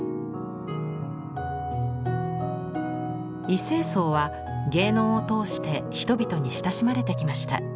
異性装は芸能を通して人々に親しまれてきました。